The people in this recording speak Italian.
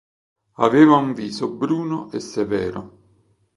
Aveva un viso bruno e severo.